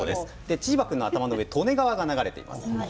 チーバくんの頭の上に利根川が流れています。